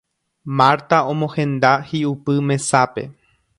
Marta omohenda hi'upy mesápe